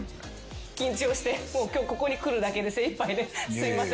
緊張して今日ここに来るだけで精いっぱいですいません。